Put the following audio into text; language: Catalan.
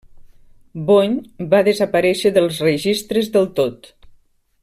Bonny va desaparèixer dels registres del tot.